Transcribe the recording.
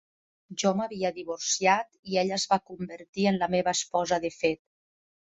Jo m'havia divorciat i ella es va convertir en la meva esposa de fet.